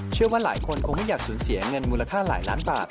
เชื่อว่าหลายคนคงไม่อยากสูญเสียเงินมูลค่าหลายล้านบาท